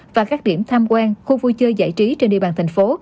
và các điểm tham quan khu vui chơi giải trí trên địa bàn thành phố